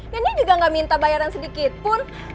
dan dia juga gak minta bayaran sedikit pun